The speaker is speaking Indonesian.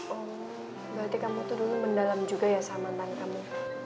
oh berarti kamu tuh dulu mendalam juga ya sama tan kamu